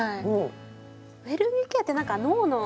ウェルニッケ野って何か脳の。